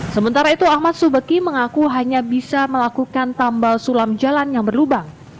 sementara itu ahmad subeki mengaku hanya bisa melakukan tambal sulam jalan yang berlubang